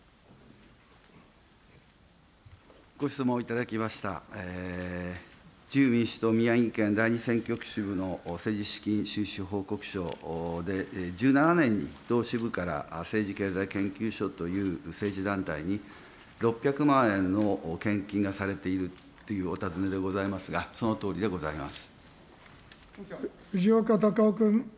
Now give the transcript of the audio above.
ご質問いただきました自由民主党宮城県第２選挙区支部の政治資金収支報告書で、１７年に同支部から政治経済研究所という政治団体に、６００万円の献金がされているというお尋ねでございますが、そのとおりでご藤岡隆雄君。